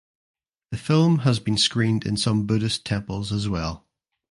The film has been screened in some Buddhist temples as well.